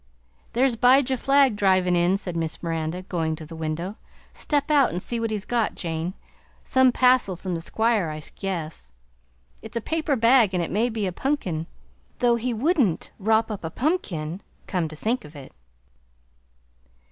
"There's 'Bijah Flagg drivin' in," said Miss Miranda, going to the window. "Step out and see what he's got, Jane; some passel from the Squire, I guess. It's a paper bag and it may be a punkin, though he wouldn't wrop up a punkin, come to think of it!